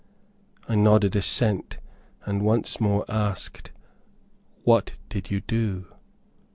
I nodded assent, and once more asked, "What did you do?"